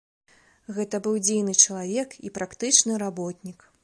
Гэта быў дзейны чалавек і практычны работнік.